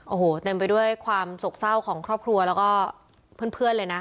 โอ้โหเต็มไปด้วยความโศกเศร้าของครอบครัวแล้วก็เพื่อนเลยนะ